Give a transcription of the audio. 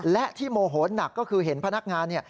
และที่โมโหหนักก็คือเห็นพนักงานเนี่ย